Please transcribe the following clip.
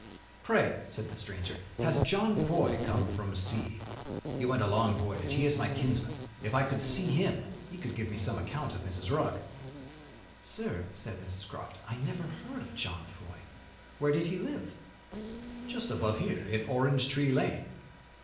"Pray," said the stranger, "has John Foy come home from sea? He went a long voyage; he is my kinsman. If I could see him, he could give me some account of Mrs. Rugg." "Sir," said Mrs. Croft, "I never heard of John Foy. Where did he live?" "Just above here, in Orange Tree Lane."